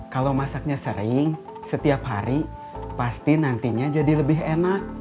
kalau masaknya sering setiap hari pasti nantinya jadi lebih enak